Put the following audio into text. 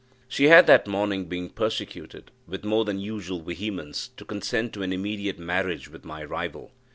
She had that morning been persecuted, with more than usual vehemence, to consent to an immediate marriage with my rival.